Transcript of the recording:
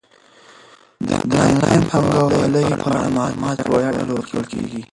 د انلاین بانکوالۍ په اړه معلومات په وړیا ډول ورکول کیږي.